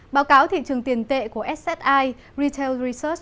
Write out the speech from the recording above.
báo cáo thị trường tiền tệ của ssai retail research